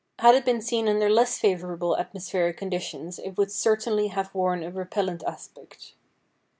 Had it been seen under less favourable atmospheric conditions it would certainly have worn a repellent aspect.